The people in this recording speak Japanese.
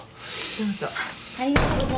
どうぞ。